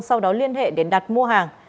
sau đó liên hệ đến đặt mua hàng